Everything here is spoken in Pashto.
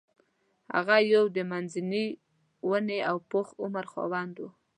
هغه یو د منځني ونې او پوخ عمر خاوند و.